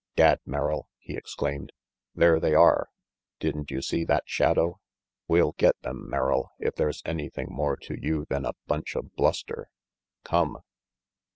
"Gad, Merrill!" he exclaimed, "there they are. Didn't you see that shadow? We'll get them, Merrill, if there's anything more to you than a bunch of bluster. Come!"